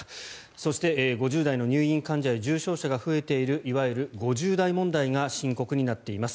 そして、５０代の入院患者や重症者が増えているいわゆる５０代問題が深刻になっています。